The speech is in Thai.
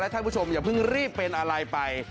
ท่านผู้ชมอย่าเพิ่งรีบเป็นอะไรไป